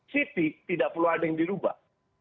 city tidak perlu ada yang dirubah